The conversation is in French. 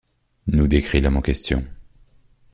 Nous décrit l’homme en question.